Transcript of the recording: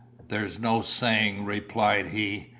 "There's no saying," replied he.